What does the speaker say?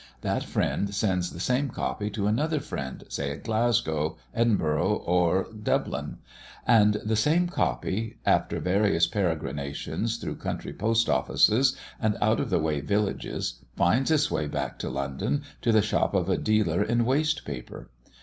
That friend sends the same copy to another friend, say at Glasgow, Edinburgh, or Dublin; and the same copy, after various peregrinations through country post offices, and out of the way villages, finds its way back to London to the shop of a dealer in waste paper.